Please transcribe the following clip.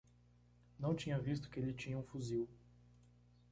Não tinha visto que ele tinha um fuzil.